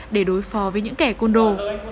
để đối phó với những kẻ côn đồ